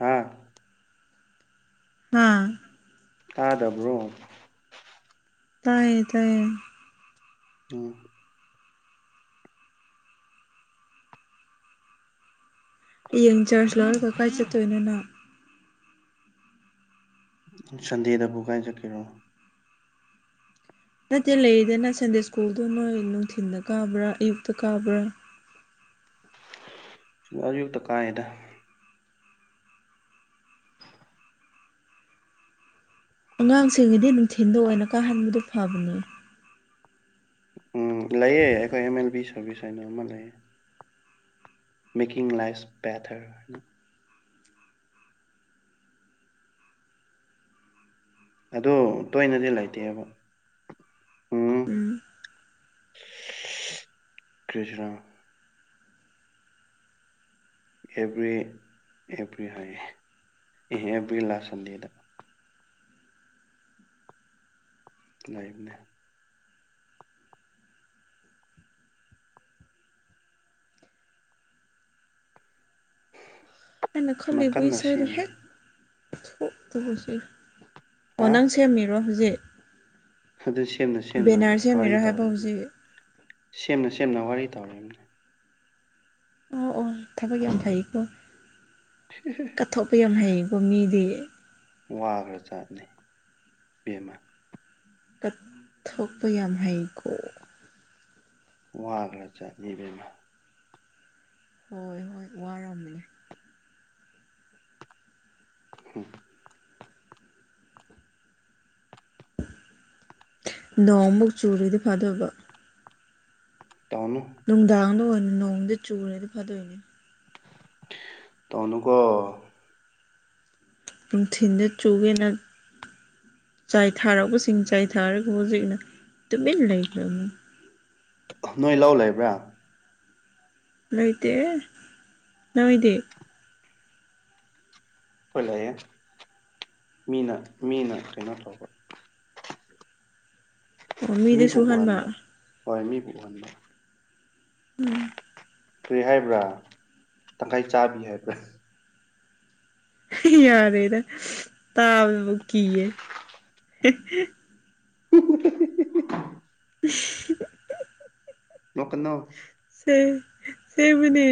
ꯍꯥꯥ ꯍꯥ ꯇꯥꯗꯕ꯭ꯔꯣ ꯇꯥꯏꯌꯦ ꯇꯥꯏꯌꯦ ꯎꯝ ꯍꯌꯦꯟ ꯆꯔꯖ ꯂꯧꯔꯒ ꯀꯥꯏ ꯆꯠꯇꯣꯏꯅꯣ ꯅꯪ ꯁꯟꯗꯦꯗꯕꯨ ꯀꯥꯏ ꯆꯠꯀꯦꯔꯣ ꯅꯠꯇꯦ ꯂꯩꯔꯤꯗꯅ ꯁꯟꯗꯦ ꯁ꯭ꯀꯨꯜꯗꯣ ꯅꯣꯏ ꯅꯨꯡꯊꯤꯟꯗ ꯀꯥꯕ꯭ꯔꯥ ꯑꯌꯨꯛꯇ ꯀꯥꯕ꯭ꯔꯥ ꯑꯌꯨꯛꯇ ꯀꯥꯏꯗ ꯑꯉꯥꯡꯁꯤꯡꯒꯤꯗꯤ ꯅꯨꯡꯊꯤꯟꯗ ꯑꯣꯏꯅ ꯀꯥꯍꯟꯕꯗꯣ ꯐꯕꯅꯦ ꯎꯝ ꯂꯩꯌꯦ ꯑꯈꯣꯏ ꯑꯦꯝ ꯑꯦꯜ ꯕꯤ ꯁꯔꯚꯤꯁ ꯍꯥꯏꯅ ꯑꯃ ꯂꯩꯌꯦ ꯃꯦꯀꯤꯡ ꯂꯥꯏ꯭ꯐꯁ ꯕꯦꯇꯔ ꯑꯗꯣ ꯇꯣꯏꯅꯗꯤ ꯂꯩꯇꯦꯕ ꯎꯝ ꯀꯔꯤꯔꯥ ꯑꯦꯕ꯭ꯔꯤ ꯑꯦꯕ꯭ꯔꯤ ꯍꯥꯏꯌꯦ ꯑꯦ ꯑꯦꯕ꯭ꯔꯤ ꯂꯥꯁ ꯁꯟꯗꯦꯗ ꯂꯩꯕꯅꯦ ꯑꯩꯅ ꯑꯃ ꯈꯜꯂꯤꯕ ꯀꯟꯅ ꯏꯁꯩꯗ ꯍꯦꯛ ꯁꯦꯝꯂꯤ [unintelligible] ꯑꯣ ꯍꯥ ꯅꯪ ꯁꯦꯝꯃꯤꯔꯣ ꯍꯧꯖꯤꯛ ꯑꯗꯨ ꯁꯦꯝꯅ ꯁꯦꯝꯅ ꯕꯦꯅꯔ ꯋꯥꯔꯤ ꯁꯦꯝꯃꯤꯔꯣ ꯍꯥꯏꯕ ꯇꯧꯔꯤꯅꯤ ꯍꯧꯖꯤꯛ ꯁꯦꯝꯅ ꯁꯦꯝꯅ ꯋꯥꯔꯤ ꯇꯧꯔꯤꯅꯤ ꯑꯣ ꯑꯣ ꯊꯕꯛ ꯌꯥꯝ ꯐꯩꯀꯣ [unintelligible] ꯀꯠꯊꯣꯛꯄ ꯌꯥꯝ ꯍꯩꯌꯦꯀꯣ ꯃꯤꯗꯤ ꯋꯥꯒꯔꯥ ꯖꯥꯠꯅꯤ ꯕꯦꯝꯃ ꯀꯠꯊꯣꯛꯄ ꯌꯥꯝ ꯍꯩꯀꯣ ꯋꯥꯒꯔꯥ ꯖꯥꯠꯅꯤ ꯏꯕꯦꯝꯃ ꯍꯣꯏ ꯍꯣꯏ ꯋꯥꯔꯝꯅꯤ ꯍꯝ ꯅꯣꯡꯃꯨꯛ ꯆꯨꯔꯗꯤ ꯐꯗꯧꯕ ꯇꯧꯅꯤ ꯅꯨꯡꯗꯥꯡꯗꯣ ꯅꯣꯡꯗꯤ ꯆꯨꯔꯗꯤ ꯐꯗꯣꯏꯅꯦ ꯇꯧꯅꯨꯀꯣ ꯅꯨꯡꯊꯤꯟꯗ ꯆꯨꯒꯦ ꯅꯪ ꯆꯥꯏꯊꯔꯛꯄꯁꯤꯡ ꯆꯥꯏꯊꯔꯒ ꯍꯧꯖꯤꯛꯅ ꯇꯨꯃꯤꯟ ꯂꯩꯈ꯭ꯔꯕꯅꯤ ꯑꯣ ꯅꯣꯏ ꯂꯧ ꯂꯩꯕ꯭ꯔꯥ ꯂꯩꯇꯦꯍꯦ ꯅꯣꯏꯗꯤ ꯍꯣꯏ ꯂꯩꯌꯦ ꯃꯤꯅ ꯃꯤꯅ ꯀꯩꯅꯣ ꯇꯧꯕ ꯑꯣ ꯃꯤꯗ ꯃꯤꯕꯨ ꯁꯨꯍꯟꯕ ꯎꯍꯟꯕ ꯍꯣꯏ ꯃꯤꯕꯨ ꯎꯍꯟꯕ ꯎꯝ ꯀꯔꯤ ꯍꯥꯏꯕ꯭ꯔꯥ ꯇꯪꯈꯥꯏ ꯆꯥꯕꯤ ꯍꯥꯏꯕ꯭ꯔꯥ ꯌꯥꯔꯦꯗ ꯇꯥꯕꯗꯕꯣ ꯀꯤꯌꯦ [unintelligible] [unintelligible] ꯅꯣꯛꯀꯅꯣ ꯁꯦ ꯁꯦꯡꯕꯅꯤ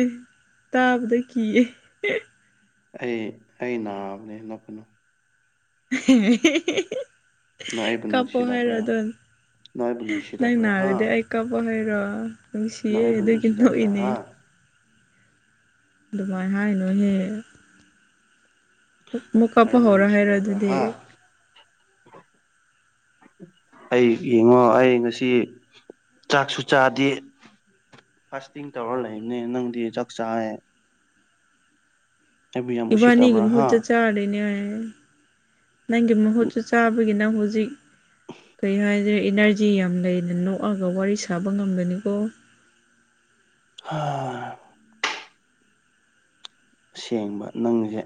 ꯇꯥꯕꯗ ꯀꯤꯌꯦ ꯑꯩ ꯑꯩ ꯅꯥꯕꯅꯦ ꯅꯣꯛꯀꯅꯨ꯫ [unintelligible] ꯅꯪ ꯑꯩꯕꯨ ꯀꯞꯄꯣ ꯅꯨꯡꯁꯤꯗꯕ꯭ꯔꯥ ꯍꯥꯏꯔꯣꯗꯣ ꯅꯪ ꯑꯩꯕꯨ ꯅꯪ ꯅꯨꯡꯁꯤꯗꯕ꯭ꯔꯥ ꯍꯥ ꯅꯥꯔꯗꯤ ꯑꯩ ꯀꯞꯄꯣ ꯍꯥꯏꯔꯣ ꯅꯪ ꯅꯨꯡꯁꯤꯌꯦ ꯑꯩꯕꯨ ꯑꯗꯨꯒꯤ ꯅꯨꯡꯁꯤꯗꯕ꯭ꯔꯥ ꯅꯣꯛꯏꯅꯦ ꯍꯥ ꯑꯗꯨꯃꯥꯏ ꯍꯥꯏꯅꯨꯅꯦ ꯑꯃꯨꯛ ꯅꯪ ꯀꯞꯄ ꯑꯩꯕꯨ ꯍꯧꯔꯣ ꯍꯥꯏꯔꯣ ꯅꯨꯡꯁꯤꯗꯕ꯭ꯔꯥ ꯑꯗꯨꯗꯤ ꯍꯥ ꯑꯩ ꯌꯦꯡꯉꯣ ꯑꯩ ꯉꯁꯤ ꯆꯥꯛꯁꯨ ꯆꯥꯗꯦ ꯐꯥꯥꯁꯇꯤꯡ ꯇꯧꯔꯥ ꯂꯩꯕꯅꯦ ꯅꯪꯗꯤ ꯆꯥꯛ ꯆꯥꯏꯌꯦ ꯌꯥꯝ ꯏꯕꯥꯅꯤꯒꯤ ꯎꯁꯤꯠꯇꯕ꯭ꯔꯥ ꯍꯥ ꯃꯍꯨꯠꯇ ꯆꯥꯔꯤꯅꯦ ꯍꯥꯏꯌꯦ ꯅꯪꯒꯤ ꯃꯍꯨꯠꯁꯨ ꯆꯥꯕꯒꯤ ꯅꯪ ꯍꯨꯖꯤꯛ ꯀꯩ ꯍꯥꯏꯖꯤꯔ ꯏꯅꯔꯖꯤ ꯌꯥꯝ ꯂꯩꯅ ꯅꯣꯛꯑꯒ ꯋꯥꯔꯤ ꯁꯥꯕ ꯉꯝꯒꯅꯤꯀꯣ꯫ ꯍꯥ ꯁꯦꯡꯕ ꯅꯪꯖꯦ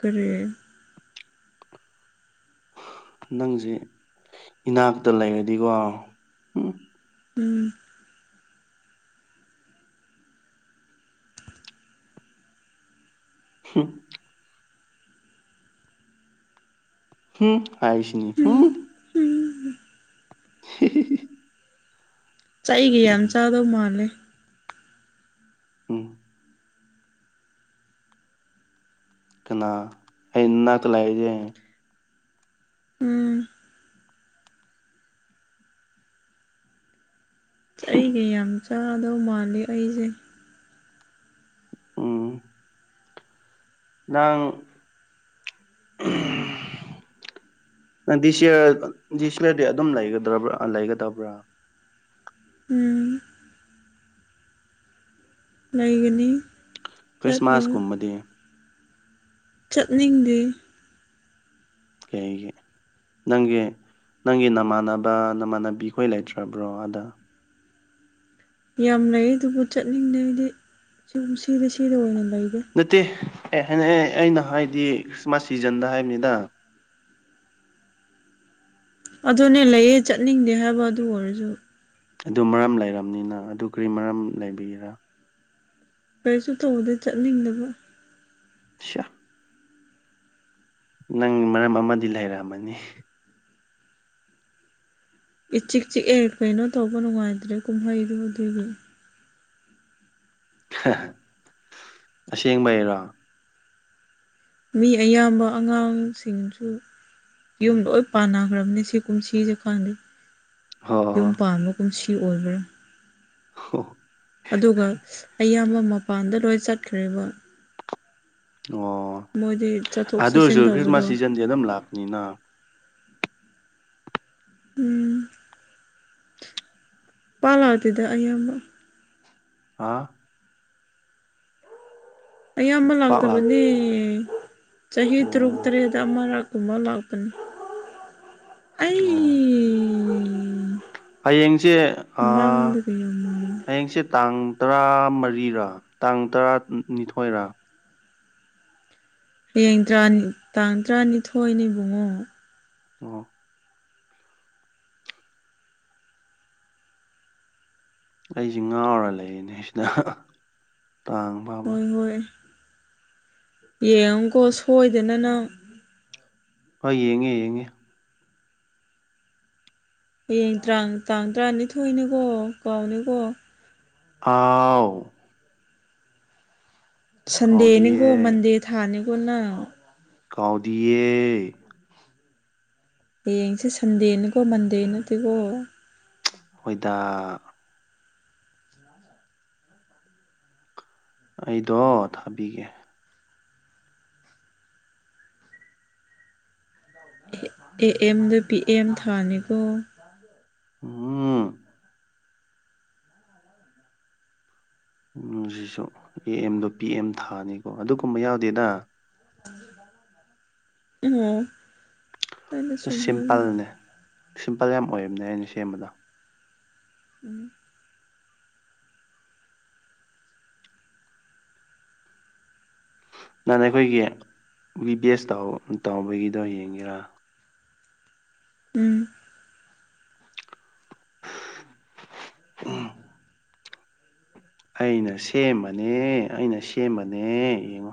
ꯀꯔꯤ ꯅꯪꯖꯦ ꯏꯅꯥꯛꯇ ꯂꯩꯔꯗꯤꯀꯣ ꯍꯨꯝ ꯎꯝ [unintelligible] ꯍꯨꯝ ꯍꯥꯏꯁꯅꯤ ꯍꯨꯝ ꯎꯝ ꯎꯝ [unintelligible] ꯆꯩꯒꯤ ꯌꯥꯝ ꯆꯥꯗꯧ ꯃꯥꯜꯂꯦ꯫ ꯎꯝ ꯀꯅꯥ ꯑꯩ ꯏꯅꯥꯛꯇ ꯂꯩꯔꯗꯤ ꯎꯝ ꯆꯩꯒ ꯌꯥꯝ ꯆꯥꯗꯧ ꯃꯥꯜꯂꯤ ꯑꯩꯖꯦ ꯫ ꯎꯝ ꯅꯪ ꯎꯝ ꯅꯪ ꯗꯤꯁ ꯌꯤꯌꯔ ꯗꯤꯁ ꯌꯤꯌꯔꯗꯤ ꯑꯗꯨꯝ ꯂꯩꯒꯗꯕ꯭ꯔꯥ ꯂꯩꯒꯗꯕ꯭ꯔꯥ? ꯎꯝ ꯂꯩꯒꯅꯤ ꯆꯠꯂꯣꯏ ꯈ꯭ꯔꯤꯁꯃꯥꯁꯀꯨꯝꯕꯗꯤ ꯆꯠꯅꯤꯡꯗꯦ ꯀꯩꯒꯤ? ꯅꯪꯒꯤ ꯅꯪꯒꯤ ꯅꯃꯥꯟꯅꯕ ꯅꯃꯥꯟꯅꯕꯤꯈꯣꯏ ꯂꯩꯇ꯭ꯔꯕ꯭ꯔꯣ ꯑꯥꯗ? ꯌꯥꯝ ꯂꯩ ꯑꯗꯨꯕꯨ ꯆꯠꯅꯤꯡꯗꯦ ꯑꯩꯗꯤ ꯁꯨꯝ ꯁꯤꯗ ꯁꯤꯗ ꯑꯣꯏꯅ ꯂꯩꯔꯦ꯫ ꯅꯠꯇꯦ ꯑꯦ ꯍꯥꯏ ꯑꯩꯅ ꯍꯥꯏꯗꯤ ꯈ꯭ꯔꯤꯁꯃꯥꯁ ꯁꯤꯖꯟꯗ ꯍꯥꯏꯕꯅꯤꯗ ꯑꯗꯨꯅꯦ ꯂꯩꯌꯦ ꯆꯠꯅꯤꯡꯗꯦ ꯍꯥꯏꯕ ꯑꯗꯨ ꯑꯣꯏꯔꯖꯨ꯫ ꯑꯗꯨ ꯃꯔꯝ ꯂꯩꯔꯝꯅꯤꯅ ꯑꯗꯨ ꯀ꯭ꯔꯤ ꯃꯔꯝ ꯂꯩꯕꯒꯤꯔꯥ? ꯀꯔꯤꯁꯨ ꯇꯧꯗꯦ ꯆꯠꯅꯤꯡꯗꯕ꯫ ꯁ꯭ꯌꯥ ꯅꯪ ꯃꯔꯝ ꯑꯃꯗꯤ ꯂꯩꯔꯝꯃꯅꯤ ꯏ ꯆꯤꯛ ꯆꯤꯛꯑꯦ ꯀꯩꯅꯣ ꯇꯧꯕ ꯅꯨꯡꯉꯥꯏꯇ꯭ꯔꯦ ꯀꯨꯝꯍꯩꯗꯨ ꯑꯗꯨꯒꯤ ꯍꯥ ꯍꯥ ꯑꯁꯦꯡꯕꯩꯔꯣ? ꯃꯤ ꯑꯌꯥꯝꯕ ꯑꯉꯥꯡꯁꯤꯡꯁꯨ ꯌꯨꯝꯗꯣ ꯂꯣꯏ ꯄꯥꯟꯅꯈ꯭ꯔꯕꯅꯦ ꯁꯤ ꯀꯨꯝꯁꯤꯁꯦ ꯈꯪꯗꯦ ꯍꯣ ꯌꯨꯝ ꯄꯥꯟꯕ ꯀꯨꯝꯁꯤ ꯑꯣꯏꯕ꯭ꯔꯥ ꯍꯣ ꯑꯗꯨꯒ ꯑꯌꯥꯝꯕ ꯃꯄꯥꯟꯗ ꯂꯣꯏ ꯆꯠꯈ꯭ꯔꯦꯕ꯫ ꯑꯣ ꯃꯣꯏꯗꯤ ꯆꯠꯊꯣꯛ ꯆꯠꯁꯤꯟ ꯇꯧꯕꯗꯣ꯫ ꯌꯦꯅꯝ ꯂꯥꯛꯄꯅꯤꯅ꯫ ꯎꯝ ꯃꯥ ꯂꯥꯛꯇꯦꯗ ꯑꯌꯥꯝꯕ꯫ ꯑꯥ ꯑꯌꯥꯝꯕ ꯄꯥꯛ ꯂꯥꯛ ꯂꯥꯛꯇꯕꯗꯤ ꯆꯍꯤ ꯇꯔꯨꯛ ꯑꯣ ꯇꯔꯦꯠꯇ ꯑꯃꯔꯛ꯫ ꯀꯨꯝꯃ ꯂꯥꯛꯄꯅꯤ꯫ ꯑꯣ ꯏ ꯍꯌꯦꯡꯁꯦ ꯑꯥ ꯌꯥꯝ ꯃꯥꯜꯂꯦ ꯍꯌꯦꯡꯁꯦ ꯇꯥꯡ ꯇꯔꯥ ꯃꯔꯤꯔꯥ ꯇꯥꯡ ꯇꯔꯥꯅꯤꯊꯣꯏꯔꯥ꯫ ꯍꯌꯦꯡ ꯇꯔ꯭ꯥꯅꯤ ꯇꯥꯡ ꯇꯔꯥꯅꯤꯊꯣꯏꯅꯦ ꯕꯨꯡꯉꯣ꯫ ꯑꯣ ꯑꯩꯖꯤ ꯉꯥꯎꯔ ꯂꯩꯌꯦꯅꯦ ꯁꯤꯗ ꯇꯥꯡ ꯐꯥꯕ ꯍꯣꯏ ꯍꯣꯏ ꯌꯦꯡꯉꯨꯀꯣ ꯁꯣꯏꯗꯅ ꯅꯪ ꯍꯣꯏ ꯌꯦꯡꯉꯦ ꯌꯦꯡꯉꯦ ꯍꯌꯦꯡ ꯇ꯭ꯔꯥꯡ ꯇꯥꯡ ꯇ꯭ꯔꯥꯅꯤꯊꯣꯏꯅꯤꯀꯣ ꯀꯥꯎꯅꯤꯀꯣ ꯑꯥꯎ ꯁꯟꯗꯦꯅꯤꯒꯣ ꯀꯥꯎꯗꯤꯌꯦ ꯃꯟꯗꯦ ꯊꯥꯅꯤꯒꯣ ꯅꯪ ꯀꯥꯎꯗꯤꯌꯦ ꯍꯌꯦꯡꯁꯦ ꯁꯟꯗꯦꯅꯤꯀꯣ ꯃꯟꯗꯦ ꯅꯠꯇꯦꯒꯣ ꯍꯣꯢꯗꯥ ꯑꯩꯗꯣ ꯊꯥꯕꯤꯒꯦ ꯑꯦ ꯑꯦ ꯑꯦꯝꯗ ꯄꯤ ꯑꯦꯝ ꯊꯥꯅꯤꯀꯣ ꯎꯝ ꯎꯝ ꯖꯤꯖꯨ ꯑꯦ ꯑꯦꯝꯗꯣ ꯄꯤ ꯑꯦꯝ ꯊꯥꯅꯤꯒꯣ ꯑꯗꯨꯒꯨꯝꯕ ꯌꯥꯎꯗꯦꯗ꯫ ꯎꯝ ꯑꯁ ꯌꯥꯝ ꯇꯜꯂꯦ ꯁꯤꯝꯄꯜ ꯌꯥꯝ ꯑꯣꯏꯕꯅꯦ ꯑꯩꯅ ꯁꯦꯝꯕꯗꯣ꯫ ꯎꯝ ꯅꯍꯥꯟ ꯑꯩꯈꯣꯏꯒꯤ ꯕꯤ ꯄꯤ ꯑꯦꯁ ꯇꯧ ꯇꯧꯕꯒꯤꯗꯣ ꯌꯦꯡꯒꯦꯔꯥ ꯎꯝ ꯑꯩꯅ ꯁꯦꯝꯃꯅꯦ ꯑꯩꯅ ꯁꯦꯝꯃꯅꯦ ꯌꯦꯡꯉꯣ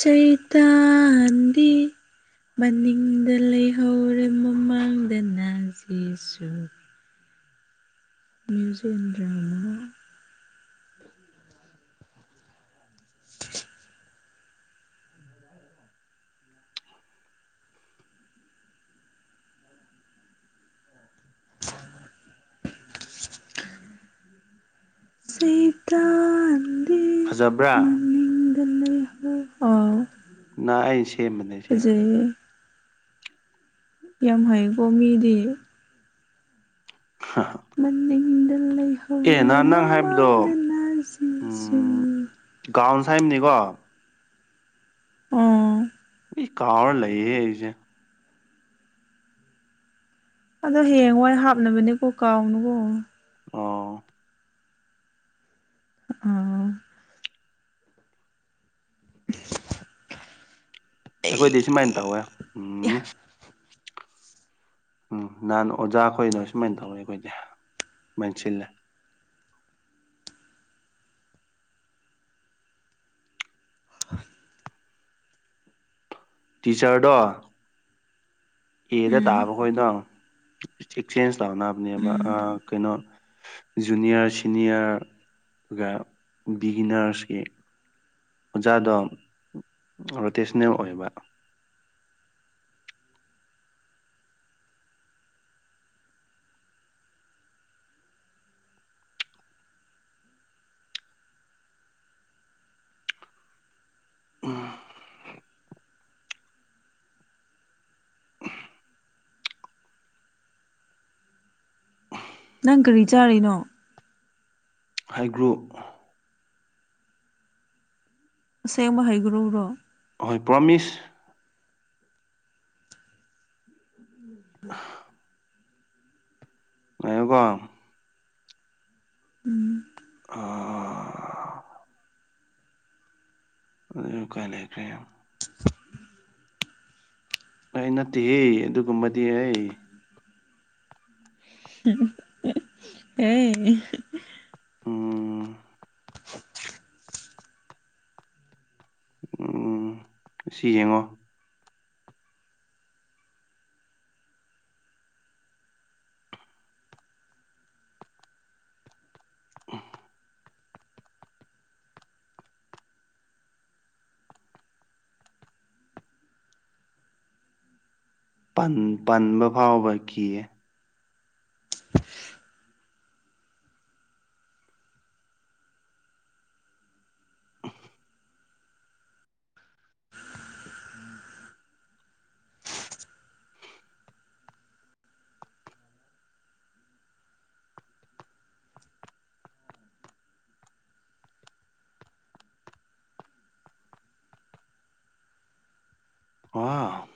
ꯁꯩꯇꯥꯟꯗꯤ ꯃꯅꯤꯡꯗ ꯂꯩꯍꯧꯔꯦ ꯃꯃꯥꯡꯗꯅ ꯖꯤꯁꯨ꯫ Music and drama. [inaudible] ꯁꯩꯇꯥꯟꯗꯤ ꯐꯖꯕ꯭ꯔꯥ ꯅꯤꯡꯗ ꯂꯩ ꯍꯧ ꯑꯥ ꯅꯥ ꯑꯩꯅ ꯁꯦꯝꯕꯅꯦ ꯁꯤ꯫ ꯑꯦ ꯌꯥꯝ ꯍꯩꯀꯣ ꯃꯤꯗꯤ [inaudible] ꯃꯅꯤꯡꯗ ꯑꯦ ꯂꯩꯍꯧꯔꯦ ꯅꯍꯥꯟ ꯅꯪ ꯍꯥꯏꯕꯗꯣ ꯃꯃꯥꯡꯗ ꯅꯥ ꯖꯤꯁꯨ ꯎꯝ ꯒꯥꯎꯟꯁ ꯍꯥꯏꯝꯅꯤꯀꯣ ꯎꯝ ꯀꯥꯎꯔꯥ ꯂꯩꯌꯦ ꯑꯩꯁꯦ ꯑꯗꯣ ꯍꯌꯦꯡꯋꯥꯏ ꯍꯥꯞꯅꯕꯅꯦꯀꯣ ꯀꯥꯎꯅꯨꯀꯣ ꯑꯣ ꯑꯣ ꯑꯩꯈꯣꯏꯗꯤ ꯁꯨꯃꯥꯏꯟ ꯇꯧꯋꯦ ꯎꯝ [inaudible] ꯎꯝ ꯅꯍꯥꯟ ꯑꯣꯖꯥ ꯈꯣꯏꯅ ꯁꯨꯃꯥꯏꯟ ꯇꯧꯋꯦ ꯈꯣꯏꯗꯤ ꯃꯦꯟꯁꯤꯜꯂꯦ ꯇꯤꯆꯔꯗꯣ ꯑꯦꯗ ꯎꯝ ꯇꯥꯕ ꯈꯣꯏꯗꯣ ꯑꯦꯛꯆꯦꯟꯁ ꯇꯧꯅꯕꯅꯦꯕ ꯎꯝ ꯑꯥ ꯀꯩꯅꯣ ꯖꯨꯅꯤꯌꯔ ꯁꯤꯅꯤꯌꯔꯒ ꯕꯤꯒꯤꯅꯔꯁꯀꯤ ꯑꯣꯖꯥꯗꯣ ꯔꯣꯇꯦꯁꯅꯦꯜ ꯑꯣꯏꯕ ꯎꯝ ꯅꯪ ꯀꯔꯤ ꯆꯥꯔꯤꯅꯣ ꯍꯩꯒ꯭ꯔꯨ ꯑꯁꯦꯡꯕ ꯍꯩꯒ꯭ꯔꯨꯔꯣ ꯍꯣꯏ ꯄ꯭ꯔꯣꯃꯤꯁ [unintelligible] ꯂꯩꯌꯣꯀꯣ ꯎꯝ [unintelligible] ꯑꯗꯨ ꯀꯥꯏ ꯂꯩꯈ꯭ꯔꯦ ꯑꯩ ꯅꯠꯇꯦꯍꯦ ꯑꯗꯨꯒꯨꯝꯕꯗꯤ ꯑꯩ [unintelligible] ꯎꯝ [unintelligible] ꯎꯝ ꯁꯤ ꯌꯦꯡꯉꯣ [unintelligible] ꯄꯟ ꯄꯟꯕ ꯐꯥꯎꯕ ꯀꯤꯌꯦ [unintelligible] ꯋꯥꯎ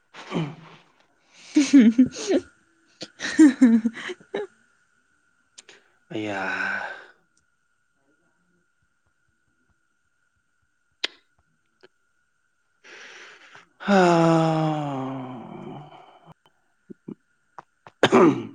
[unintelligible] [unintelligible] ꯑꯩꯌꯥ ꯍꯥ [unintelligible]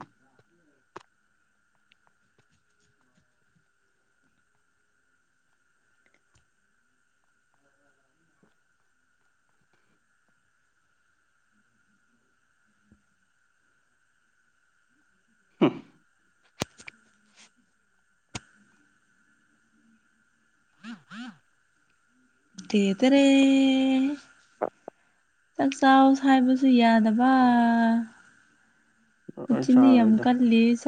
[unintelligible] ꯇꯦꯇꯥꯔꯦ ꯆꯥꯛꯆꯥꯎ ꯍꯥꯏꯕꯁꯨ ꯌꯥꯗꯕ ꯑꯩ ꯀꯣꯆꯤꯡꯗꯤ ꯌꯥꯝ ꯆꯥꯔꯣꯏꯗ ꯀꯜꯂꯤꯁ